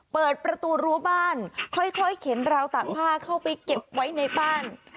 เปิดประตูรั้วบ้านค่อยเข็นราวตากผ้าเข้าไปเก็บไว้ในบ้าน